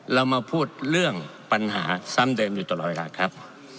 เรามาพูดเรื่องปัญหาซ้ำเดิมอยู่ตลอดเวลาครับ